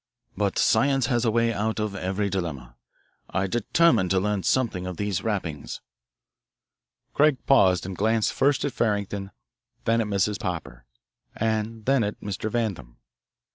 But science has a way out of every dilemma. I determined to learn something of these rappings." Craig paused and glanced first at Farrington, then at Mrs. Popper, and then at Mr. Vandam.